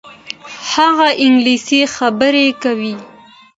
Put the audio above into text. هغه انګلیسي خبرې کوي.